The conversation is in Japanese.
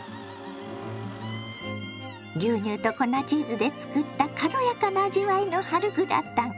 牛乳と粉チーズで作った軽やかな味わいの春グラタン。